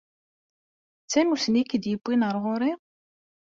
D tamussni i k-id-yewwin ar ɣur-i?